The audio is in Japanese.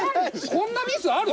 こんなミスある？